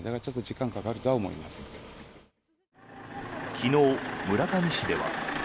昨日、村上市では。